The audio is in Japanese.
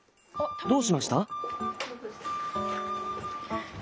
どうしました？え？